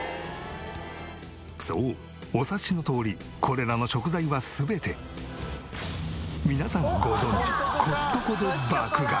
そうお察しのとおりこれらの食材は全て皆さんご存じコストコで爆買い。